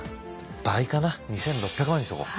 倍かな２，６００万にしとこう。